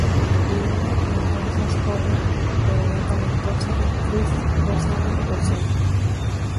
Y una entonces joven pero ya talentosa actriz: Rosalind Russell.